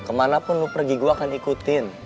kemanapun pergi gue akan ikutin